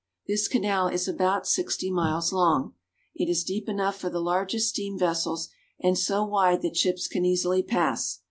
This canal is about sixty miles long. It is deep enough for the largest steam vessels and so wide that ships can easily pass.